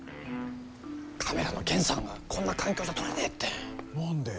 カメラの源さんがこんな環境じゃ撮れねえって。何で？